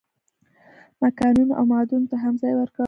ما کانونو او معادنو ته هم ځای ورکړ.